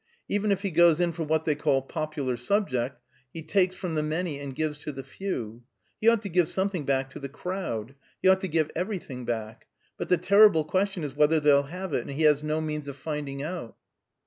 Even if he goes in for what they call popular subjects, he takes from the many and gives to the few; he ought to give something back to the crowd he ought to give everything back. But the terrible question is whether they'll have it; and he has no means of finding out."